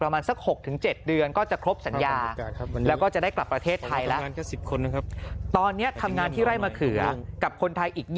มีอีก๒๖คน